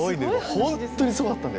本当にすごかった。